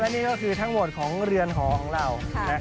นี่ก็คือทั้งหมดของเรือนหอของเรา